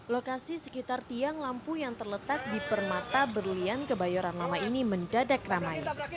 lokasi sekitar tiang lampu yang terletak di permata berlian kebayoran lama ini mendadak ramai